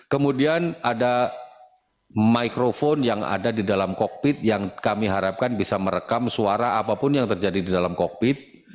kemudian ada microphone yang ada di dalam kokpit yang kami harapkan bisa merekam suara apapun yang terjadi di dalam kokpit